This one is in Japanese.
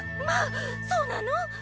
まぁそうなの？